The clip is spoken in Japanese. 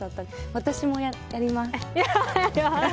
私もやります。